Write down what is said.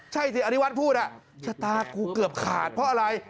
ใช่สิอนิวัฒน์พูดชะตากูเกือบขาดเพราะอะไร